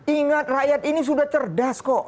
ingat rakyat ini sudah cerdas kok